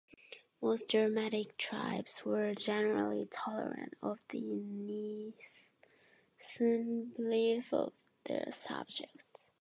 Most Germanic tribes were generally tolerant of the Nicene beliefs of their subjects.